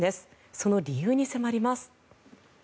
その理由に迫ります。